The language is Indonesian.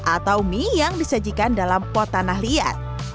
atau mie yang disajikan dalam pot tanah liat